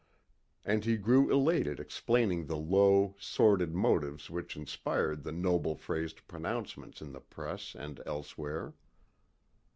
And he grew elated explaining the low, sordid motives which inspired the noble phrased pronouncements in the press and elsewhere.